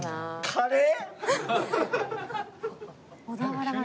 カレー！？